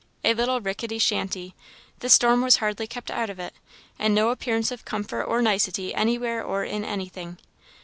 A little rickety shanty, the storm was hardly kept out of it, and no appearance of comfort or nicety anywhere or in anything.